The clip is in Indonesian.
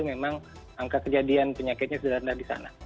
memang angka kejadian penyakitnya sudah rendah di sana